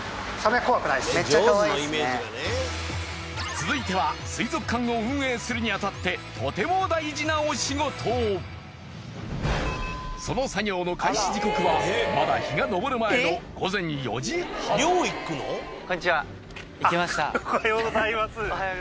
続いては水族館を運営するに当たってとても大事なお仕事その作業の開始時刻はまだ日が昇る前のおはようございます。